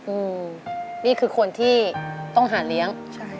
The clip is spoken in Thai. อืมนี่คือคนที่ต้องหาเลี้ยงใช่